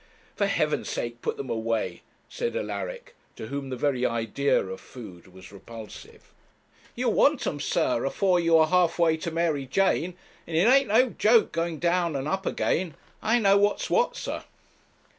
'For heaven's sake put them away,' said Alaric, to whom the very idea of food was repulsive. 'You'll want 'em, sir, afore you are half way to Mary Jane; and it a'n't no joke going down and up again. I know what's what, sir.'